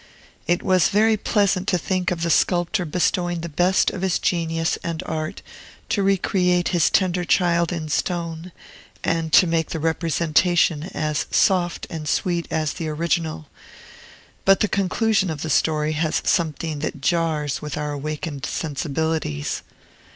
It was very pleasant to think of the sculptor bestowing the best of his genius and art to re create his tender child in stone, and to make the representation as soft and sweet as the original; but the conclusion of the story has something that jars with our awakened sensibilities.